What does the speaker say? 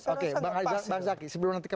oke bang zaki sebelum nanti ke